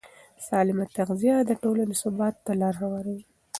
سالمه تغذیه د ټولنې ثبات ته لاره هواروي.